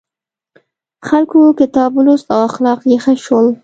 خلکو کتاب ولوست او اخلاق یې ښه شول.